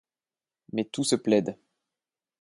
Mais tout se plaide.